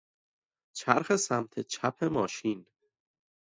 چرخ سمت چپ ماشین